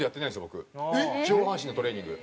僕上半身のトレーニング。